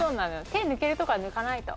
手抜けるとこは抜かないと」